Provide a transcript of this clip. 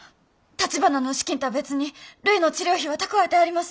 たちばなの資金とは別にるいの治療費は蓄えてあります。